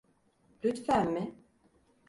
Lütfen mi?